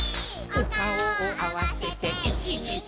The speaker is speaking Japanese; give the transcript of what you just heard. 「おかおをあわせてイヒヒヒ」